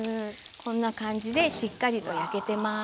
こんな感じでしっかりと焼けてます。